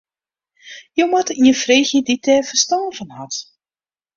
Jo moatte ien freegje dy't dêr ferstân fan hat.